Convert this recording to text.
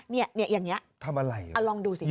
ทำอะไรลองดูสิ